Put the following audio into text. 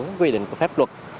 các quy định của pháp luật